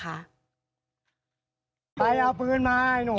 ไปเอาปืนมาให้หนู